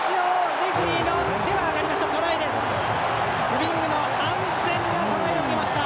レフリーの手が上がりました。